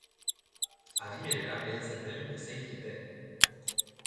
Adimenera heltzen den bezain fite.